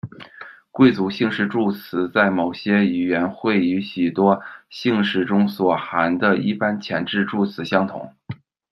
贵族姓氏助词在某些语言会与许多姓氏中所含的一般前置助词相同。